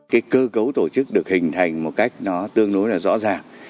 cái cơ cấu tổ chức được hình thành một cách nó tương đối là rõ ràng